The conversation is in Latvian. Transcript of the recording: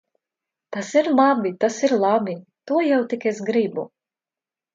Tas ir labi! Tas ir labi! To jau tik es gribu.